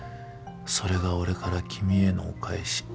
それが俺から君へのお返し。